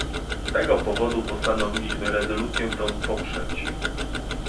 Z tego powodu postanowiliśmy rezolucję tę poprzeć